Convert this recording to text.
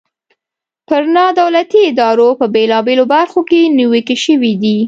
پر نا دولتي ادارو په بیلابیلو برخو کې نیوکې شوي دي.